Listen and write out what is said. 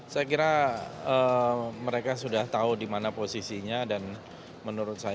saya kira mereka sudah tahu di mana posisinya dan menurut saya